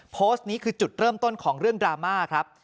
โพสต์นี้คือจุดเริ่มต้นของเรื่องดราม่าครับ